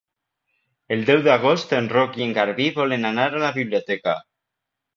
El deu d'agost en Roc i en Garbí volen anar a la biblioteca.